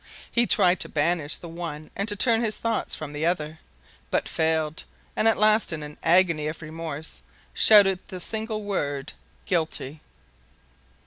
He tried to banish the one and to turn his thoughts from the other, but failed, and at last in an agony of remorse, shouted the single word "Guilty!"